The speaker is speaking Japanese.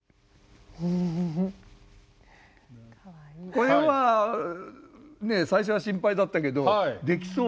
これはねえ最初は心配だったけどできそう。